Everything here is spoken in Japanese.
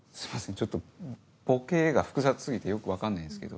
ちょっとボケが複雑過ぎてよく分かんないですけど。